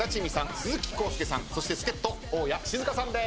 鈴木浩介さんそして助っ人大家志津香さんです。